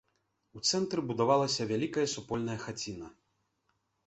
У цэнтры будавалася вялікая супольная хаціна.